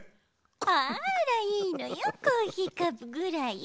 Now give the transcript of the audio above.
「あらいいのよコーヒーカップぐらい」。